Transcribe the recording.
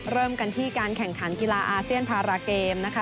เริ่มกันที่การแข่งขันกีฬาอาเซียนพาราเกมนะคะ